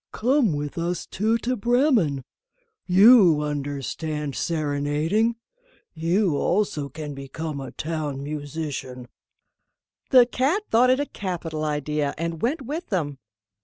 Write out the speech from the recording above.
"Come with us two to Bremen; you understand serenading; you also can become a Town Musician." The cat thought it a capital idea, and went with them.